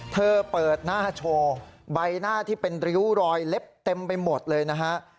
เธอเปิดหน้าโชว์ใบหน้าที่เป็นริ้วรอยเล็บเต็มไปหมดเลยนะฮะ